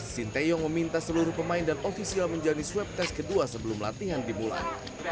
sinteyong meminta seluruh pemain dan ofisial menjalani swab test kedua sebelum latihan dimulai